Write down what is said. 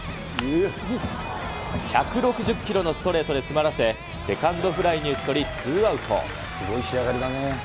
１６０キロのストレートで詰まらせ、セカンドフライに打ち取り、ツーアウト。